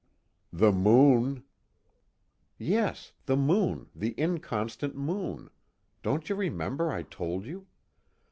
"The moon " "Yes, 'the moon, the inconstant moon' don't you remember I told you?